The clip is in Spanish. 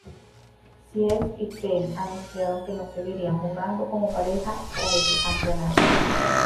Hsieh y Peng anunciaron que no seguirían jugando como pareja tras este campeonato.